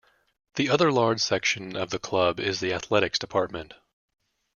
The other large section of the club is the athletics department.